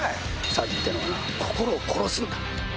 詐欺ってのはな心を殺すんだ。